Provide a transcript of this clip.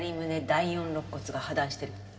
第四肋骨が破断してる。